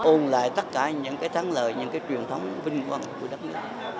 ôn lại tất cả những thắng lời những truyền thống vinh quang của đất nước